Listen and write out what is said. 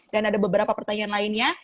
dan ada beberapa pertanyaan lainnya